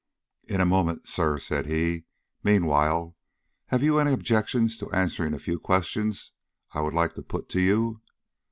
"In a moment, sir," said he. "Meanwhile, have you any objections to answering a few questions I would like to put to you?"